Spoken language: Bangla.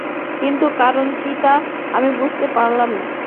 কিন্তু কারণ কী তা আমি বুঝতে পারলাম না।